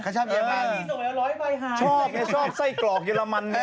ชอบอย่างชอบไส้เกลอกเยอรมัน